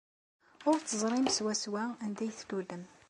Ur teẓrim swaswa anda ay tlulem.